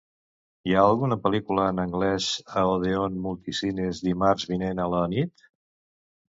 Hi ha alguna pel·lícula en anglès a Odeón Mulitcines dimarts vinent a la nit?